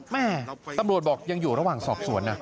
แม่ตำรวจบอกยังอยู่ระหว่างสอบสวนนะ